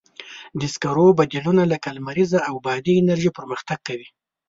د سکرو بدیلونه لکه لمریزه او بادي انرژي پرمختګ کوي.